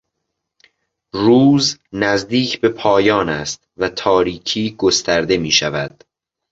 روز نزدیک به پایان است و تاریکی گسترده میشود.